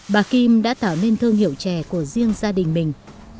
bà kim đã tạo nên thương hiệu chè của riêng gia đình mình